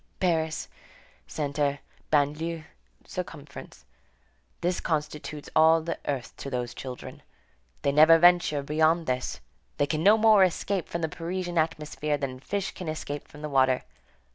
Paris, centre, banlieue, circumference; this constitutes all the earth to those children. They never venture beyond this. They can no more escape from the Parisian atmosphere than fish can escape from the water.